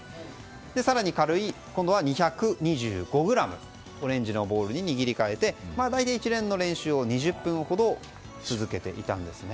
更に軽い２２５ｇのオレンジのボールに握り替えて大体、一連の練習を２０分ほど続けていたんですね。